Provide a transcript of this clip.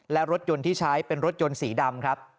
และรถยนต์ที่ใช้เป็นรถยนต์สีดำครับ